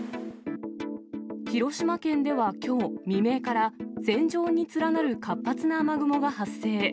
広島県ではきょう未明から線状に連なる活発な雨雲が発生。